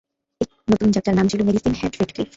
এই নতুন যাত্রার নাম ছিল মেডিসিন হ্যাট-রেডক্লিফ।